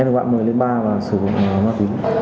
em được bạn mời lên bar và sử dụng ma túy